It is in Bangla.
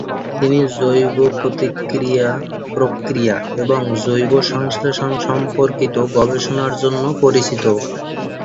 তিনি জৈব প্রতিক্রিয়া প্রক্রিয়া এবং জৈব সংশ্লেষণ সম্পর্কিত গবেষণার জন্য পরিচিত।